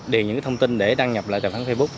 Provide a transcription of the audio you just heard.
điền những thông tin để đăng nhập lại tài khoản facebook